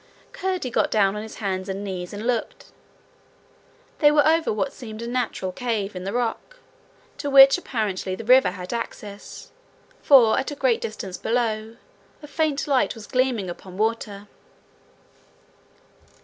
Curdie got down on his hands and knees, and looked. They were over what seemed a natural cave in the rock, to which apparently the river had access, for, at a great distance below, a faint light was gleaming upon water.